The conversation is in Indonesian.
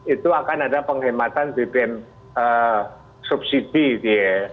itu akan ada penghematan bbm subsidi gitu ya